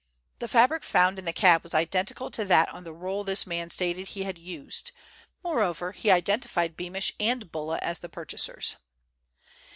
The fabric found in the cab was identical to that on the roll this man stated he had used; moreover, he identified Beamish and Bulla as the purchasers.